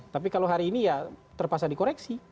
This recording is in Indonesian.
tapi kalau hari ini ya terpaksa dikoreksi